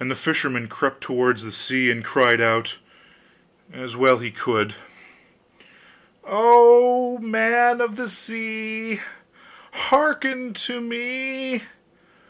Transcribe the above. And the fisherman crept towards the sea, and cried out, as well as he could: 'O man of the sea! Hearken to me!